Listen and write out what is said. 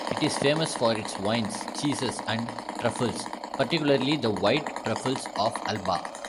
It is famous for its wines, cheeses, and truffles-particularly the white truffles of Alba.